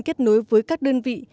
kết nối với các đơn vị